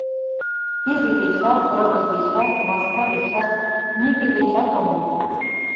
— Пире дечат, рывыж дечат, маска дечат — нигӧ дечат ом лӱд.